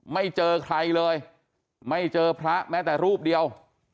ไม่เจอใครเลยไม่เจอพระแม้แต่รูปเดียว